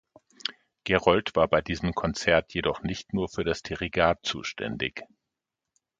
Gerold war bei diesem Konzert jedoch nicht nur für das Dirigat zuständig.